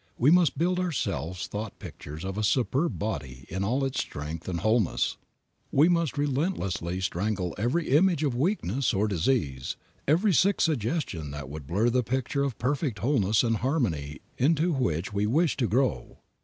We must build ourselves thought pictures of a superb body in all its strength and wholeness; we must relentlessly strangle every image of weakness or disease, every sick suggestion that would blur the picture of perfect wholeness and harmony into which we wish to grow.